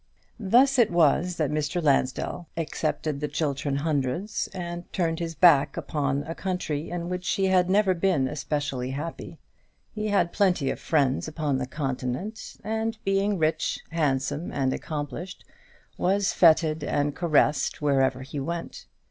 Thus it was that Mr. Lansdell accepted the Chiltern Hundreds, and turned his back upon a country in which he had never been especially happy. He had plenty of friends upon the Continent; and being rich, handsome, and accomplished, was fêted and caressed wherever he went.